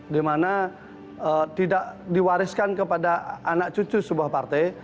dimana tidak diwariskan kepada anak cucu sebuah partai